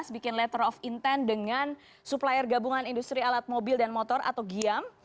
dua ribu sembilan belas bikin letter of intent dengan supplier gabungan industri alat mobil dan motor atau giam